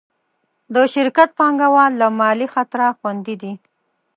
د شرکت پانګهوال له مالي خطره خوندي دي.